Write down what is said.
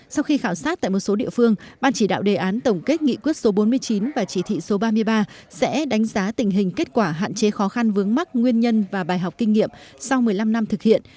sau khi khảo sát tại một số địa phương ban chỉ đạo đề án tổng kết nghị quyết số bốn mươi chín và chỉ thị số ba mươi ba sẽ đánh giá tình hình kết quả hạn chế khó khăn vướng mắt nguyên nhân và bài học kinh nghiệm sau một mươi năm năm thực hiện